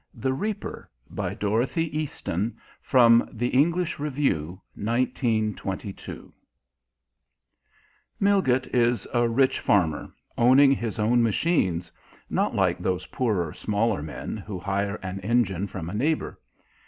THE REAPER By DOROTHY EASTON (From The English Review) 1922 Milgate is a rich farmer, owning his own machines; not like those poorer, smaller men who hire an engine from a neighbour.